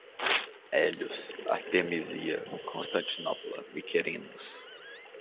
Hélios, Artemísia, Constantinopla, Miquerinos